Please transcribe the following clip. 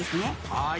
はい。